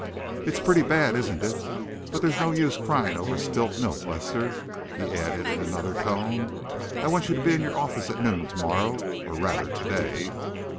"It's pretty bad, isn't it? But there's no use crying over spilt milk. Lester," he added, in another tone, "I want you to be in your office at noon to morrow or rather, to day."